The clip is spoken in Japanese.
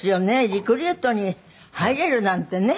リクルートに入れるなんてね。